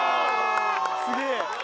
すげえ！